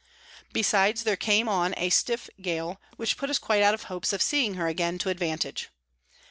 Besides, there came on a stiff Gale, which put us quite out of hopes of seeing her again to advantage.